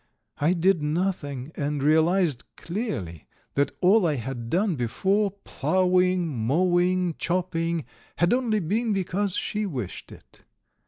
I did nothing, and realized clearly that all I had done before, ploughing, mowing, chopping, had only been because she wished it.